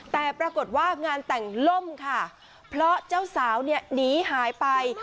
แต่ปรากฏว่างานแต่งล่มค่ะเพราะเจ้าสาวเนี่ยหนีหายไป